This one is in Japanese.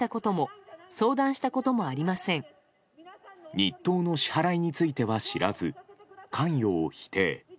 日当の支払いについては知らず関与を否定。